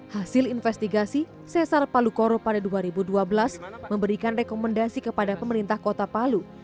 hasil investigasi sesar palu koro pada dua ribu dua belas memberikan rekomendasi kepada pemerintah kota palu